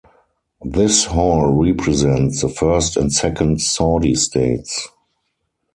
This hall represents the first and second Saudi States.